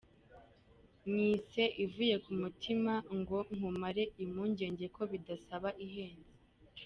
Nyise ivuye k´umutima ngo nkumare impungenge ko bidasaba ihenze.